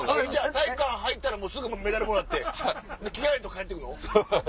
体育館入ったらすぐメダルもらって着替えんと帰って来るの？